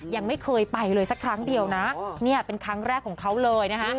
ยังไม่เคยไปเลยสักครั้งเดียวนะเนี่ยเป็นครั้งแรกของเขาเลยนะคะ